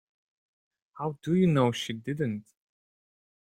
How do you know she didn't?